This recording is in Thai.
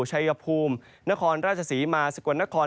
ชัยภูมินครราชศรีมาสกลนคร